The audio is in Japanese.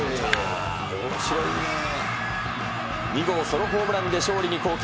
２号ソロホームランで勝利に貢献。